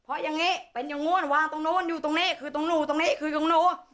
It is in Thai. เพราะอย่างนี้เป็นอย่างนู้นวางตรงนู้นอยู่ตรงนี้คือตรงหนูตรงนี้คือของหนู